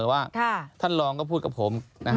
ว่าท่านรองก็พูดกับผม